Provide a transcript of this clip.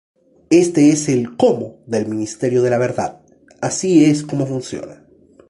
Este es el "cómo" del Ministerio de la Verdad, así es como funciona.